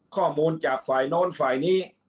ข้อมูลจากฝ่ายโน้นฝ่ายนี้